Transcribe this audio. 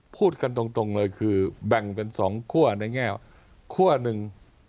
พูดกันตรงเลยคือแบ่งเป็น๒คั่วในแง่คั่วหนึ่ง